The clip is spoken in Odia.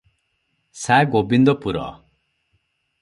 ସା ଗୋବିନ୍ଦପୁର ।